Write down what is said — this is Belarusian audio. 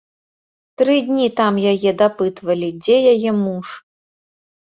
Тры дні там яе дапытвалі, дзе яе муж.